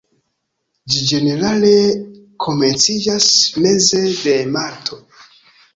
Ĝi ĝenerale komenciĝas meze de marto.